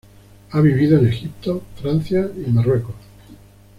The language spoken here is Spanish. Ha vivido en Egipto, Francia y Marruecos.